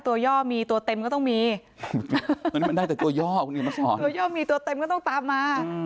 ตัวย่อมีตัวเต็มก็ต้องมีมันได้แต่ตัวย่อตัวย่อมีตัวเต็มก็ต้องตามมา